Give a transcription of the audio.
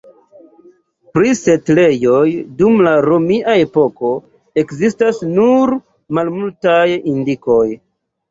Pri setlejoj dum la romia epoko ekzistas nur malmultaj indikoj.